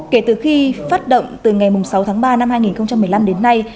kể từ khi phát động từ ngày sáu tháng ba năm hai nghìn một mươi năm đến nay